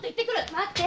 待って！